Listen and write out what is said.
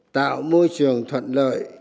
tạo môi trường thuận lợi